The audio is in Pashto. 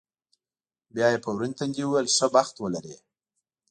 بیا یې په ورین تندي وویل، ښه بخت ولرې.